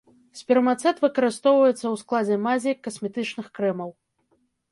Спермацэт выкарыстоўваецца у складзе мазей, касметычных крэмаў.